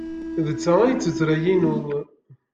D ta ay d tuttra-inu.